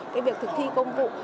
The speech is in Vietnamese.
cái việc thực thi công vụ